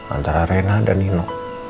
antara rena dan nino